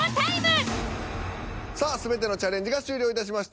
さあ全てのチャレンジが終了いたしました。